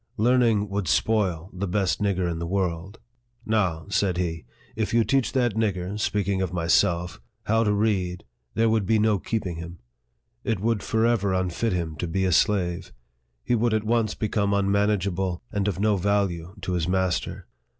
Learning would spoil the best nigger in the world. Now," said he, " if you teach that nigger (speaking of myself) how to read, there would be no keeping him. It would forever unfit him to be a slave. He would at once become unmanageable, and of no value to his master.